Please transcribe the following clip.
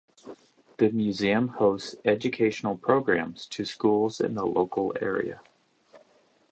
The museum hosts educational programs to schools in the local area.